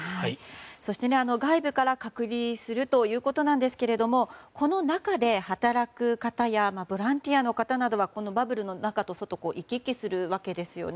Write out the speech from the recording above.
外部から隔離するということですがこの中で働く方やボランティアの方などはバブルの中と外を行き来するわけですよね。